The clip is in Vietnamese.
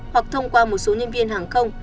hoặc thông qua một số nhân viên hàng không